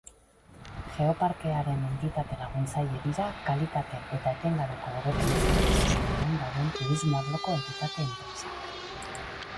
Geoparkearen entitate laguntzaile dira kalitate eta etengabeko hobekuntza prozesuetan dauden turismo arloko entitate-enpresak.